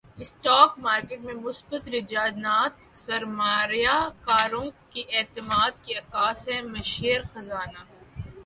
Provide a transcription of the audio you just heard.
stock market میں مثبت رجحانات سرماریہ کاروں کے اعتماد کے عکاس ہیں مشیر خزانہ